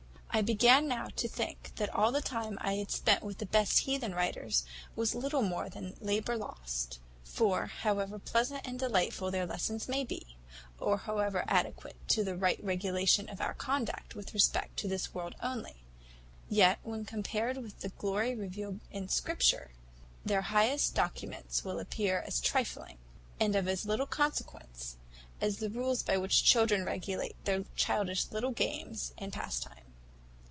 I began now to think all the time I had spent with the best heathen writers was little more than labour lost: for, however pleasant and delightful their lessons may be, or however adequate to the right regulation of our conduct with respect to this world only; yet, when compared with the glory revealed in Scripture, their highest documents will appear as trifling, and of as little consequence, as the rules by which children regulate their childish little games and pastime.